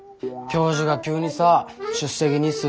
教授が急にさ出席日数